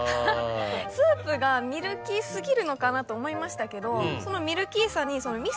スープがミルキー過ぎるのかなと思いましたけどその。